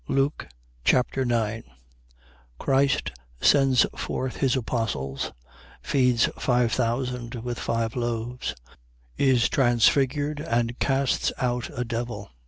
Luke Chapter 9 Christ sends forth his apostles, feeds five thousand with five loaves, is transfigured and casts out a devil.